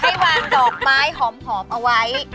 ให้วางดอกไม้หอมเอาไว้